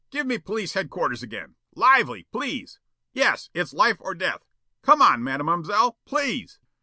Give me police headquarters again. ... Lively, please. ... Yes, it's life or death. ... Come on, Mademoiselle, please!"